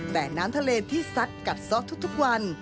แต่น้ำทะเลที่ซัดกัดซะทุกวัน